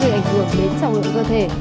về ảnh hưởng đến trọng lượng cơ thể